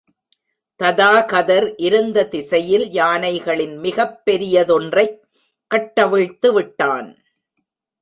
ததாகதர் இருந்த திசையில் யானைகளின் மிகப் பெரியதொன்றைக் கட்டவிழ்த்து விட்டான்.